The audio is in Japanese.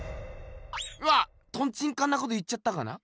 わっトンチンカンなこと言っちゃったかな。